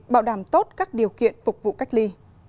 bảo đảm tốt các điều kiện phục vụ cách ly